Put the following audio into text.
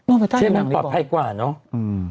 ได้ตากว่างเรียนปลอดภัยกว่าเนาะ